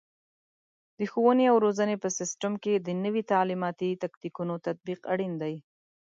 د ښوونې او روزنې په سیستم کې د نوي تعلیماتي تکتیکونو تطبیق اړین دی.